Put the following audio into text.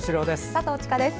佐藤千佳です。